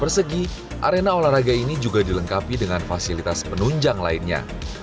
persegi arena olahraga ini juga dilengkapi dengan fasilitas penunjang lainnya